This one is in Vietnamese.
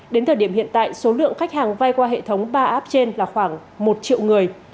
đến thời điểm hiện tại số lượng khách hàng vay qua hệ thống ba app trên là khoảng một triệu người